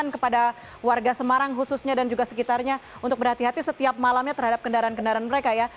kepada warga semarang khususnya dan juga sekitarnya untuk berhati hati setiap malamnya terhadap kendaraan kendaraan mereka ya